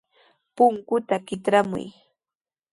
Punkuta kitramuy.